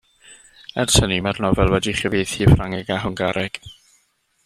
Ers hynny mae'r nofel wedi'i chyfieithu i Ffrangeg a Hwngareg.